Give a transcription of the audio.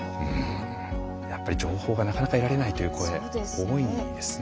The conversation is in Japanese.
やっぱり情報がなかなか得られないという声多いんですね。